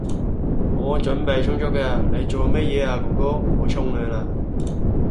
我準備充足㗎，你做乜嘢啊哥哥？我沖涼呀